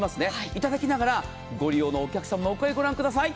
いただきながらご利用のお客様のお声をご覧ください。